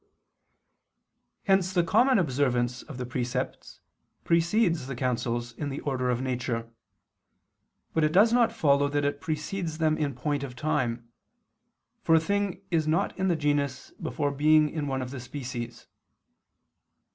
Hence the common observance of the precepts precedes the counsels in the order of nature; but it does not follow that it precedes them in point of time, for a thing is not in the genus before being in one of the species.